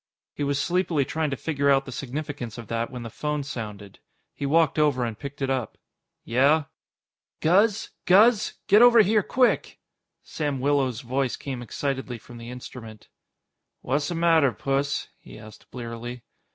He was sleepily trying to figure out the significance of that when the phone sounded. He walked over and picked it up. "Yeah?" "Guz? Guz? Get over here quick!" Sam Willows' voice came excitedly from the instrument. "Whatsamatter, Puss?" he asked blearily.